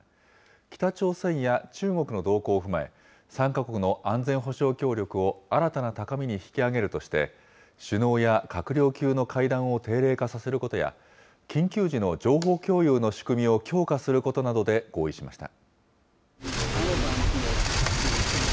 北朝鮮や中国の動向を踏まえ、３か国の安全保障協力を新たな高みに引き上げるとして、首脳や閣僚級の会談を定例化させることや、緊急時の情報共有の仕組みを強化することなどで合意しました。